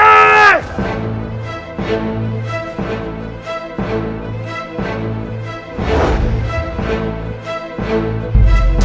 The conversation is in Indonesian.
aku tidak tahu aku akan memeriksanya dulu